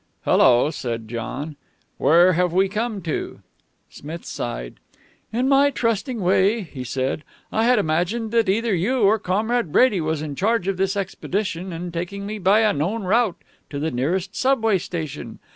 "Hello!" said John. "Where have we come to?" Smith sighed. "In my trusting way," he said, "I had imagined that either you or Comrade Brady was in charge of this expedition and taking me by a known route to the nearest subway station.